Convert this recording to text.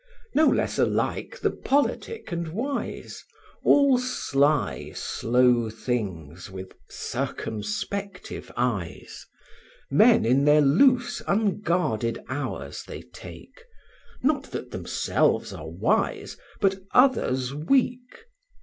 No less alike the politic and wise; All sly slow things, with circumspective eyes; Men in their loose unguarded hours they take, Not that themselves are wise, but others weak.